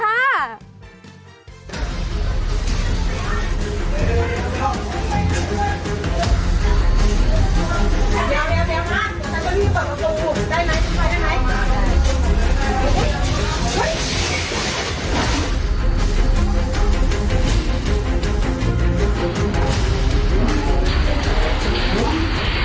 เดี๋ยวมาแต่ว่าพี่จะปล่อยประตูได้ไหมพี่ไปได้ไหมอุ๊ย